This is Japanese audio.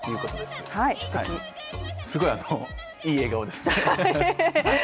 すごい、いい笑顔ですね。